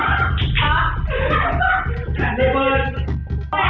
สวัสดีครับวันนี้เราจะกลับมาเมื่อไหร่